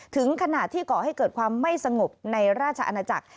ถึงขณะที่ก่อให้เกิดความไม่สงบในราชอาณาจักร